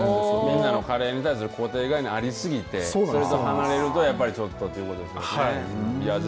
みんなのカレーに対する固定概念ありすぎてそれと離れるとちょっとということですよね。